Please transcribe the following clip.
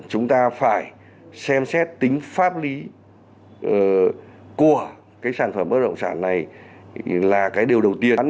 chúng ta phải xem xét tính pháp lý của cái sản phẩm bất động sản này là cái điều đầu tiên